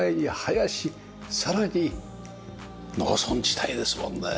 さらに農村地帯ですもんね。